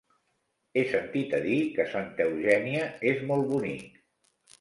He sentit a dir que Santa Eugènia és molt bonic.